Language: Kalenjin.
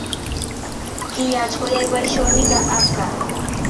Kiyach koyai boishoshek ab kaa